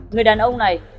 người đàn ông này